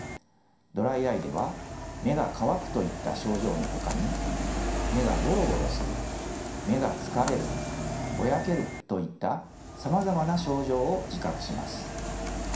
ドライアイでは目が乾くといった症状のほかに目がごろごろする目が疲れるぼやけるといったさまざまな症状を自覚します。